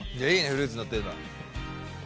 フルーツのってるの。